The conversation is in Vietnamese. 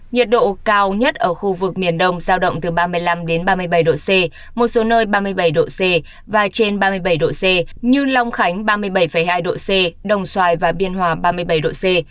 nhiệt độ cao nhất ở khu vực miền đông giao động từ ba mươi năm ba mươi bảy độ c một số nơi ba mươi bảy độ c và trên ba mươi bảy độ c như long khánh ba mươi bảy hai độ c đồng xoài và biên hòa ba mươi bảy độ c